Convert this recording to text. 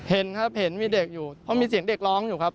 เห็นครับเห็นมีเด็กอยู่เพราะมีเสียงเด็กร้องอยู่ครับ